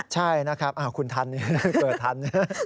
ใช่นะครับคุณทันเปิดทันนะ